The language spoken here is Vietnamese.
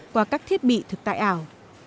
qua các thiết bị thực tại ảo